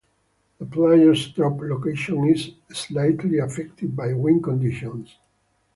The player's drop location is slightly affected by wind conditions.